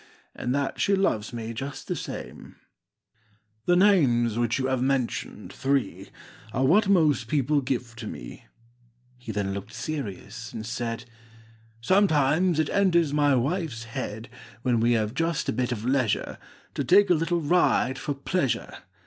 And that she loves me just the same." Copyrighted, 1897 I HE names which you have mentioned, three, what most people give to me." then looked serious and said :— 1897. Copyrighted, Xf^OMETIMES it enters my wife's head, When we have just a bit of leisure, To take a little ride for pleasure.